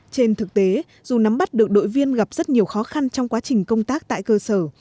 trên thực tế dù nắm bắt được đội viên gặp rất nhiều khó khăn trong quá trình công tác tại cơ sở